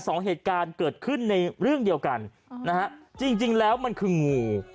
สองเหตุการณ์เกิดขึ้นในเรื่องเดียวกันนะฮะจริงจริงแล้วมันคืองู